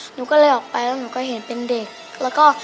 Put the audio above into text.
หนูก็เลยออกไปแล้วให้เห็นเป็นเด็ก